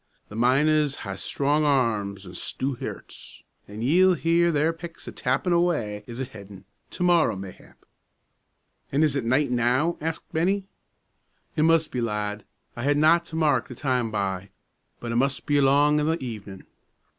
The miners ha' strong arms an' stoot herts, an' ye'll hear their picks a tap tappin' awa' i' the headin' to morrow, mayhap." "An' is it night now?" asked Bennie. "It mus' be, lad. I ha' naught to mark the time by, but it mus' be along i' the evenin'."